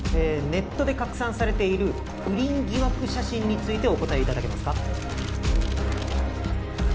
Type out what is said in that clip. ネットで拡散されている不倫疑惑写真についてお答えいただけますか？